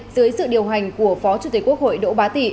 dưới sự điều hành của phó chủ tịch quốc hội đỗ bá tị